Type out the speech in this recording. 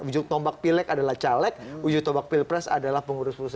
ujung tombak pilek adalah caleg uji tobak pilpres adalah pengurus pusat